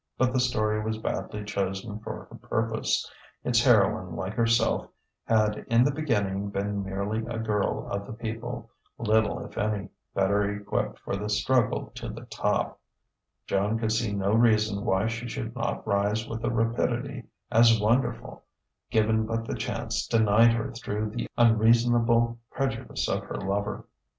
But the story was badly chosen for her purpose. Its heroine, like herself, had in the beginning been merely a girl of the people, little if any better equipped for the struggle to the top: Joan could see no reason why she should not rise with a rapidity as wonderful, given but the chance denied her through the unreasonable prejudice of her lover.